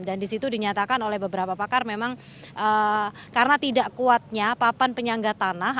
dan disitu dinyatakan oleh beberapa pakar memang karena tidak kuatnya papan penyangga tanah